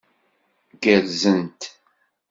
Gerrzent.